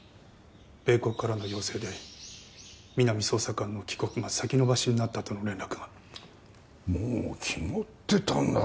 米国からの要請で皆実捜査官の帰国が先延ばしになったとの連絡がもう決まってたんだろ？